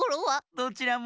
どちらも。